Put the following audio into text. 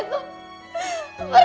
pergi lau sejarah gara gara